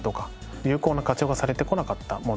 有効な活用がされてこなかったもの。